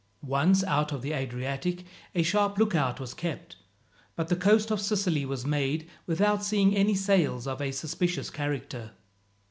Once out of the Adriatic a sharp lookout was kept, but the coast of Sicily was made without seeing any sails of a suspicious character.